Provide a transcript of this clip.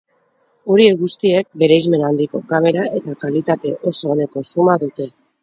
Horiek guztiek bereizmen handiko kamera eta kalitate oso oneko zooma dute.